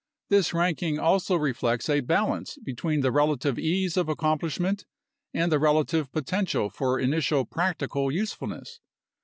This ranking also reflects a balance between the relative ease of accomplish ment and the relative potential for initial practical usefulness.